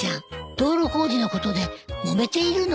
道路工事のことでもめているのよ。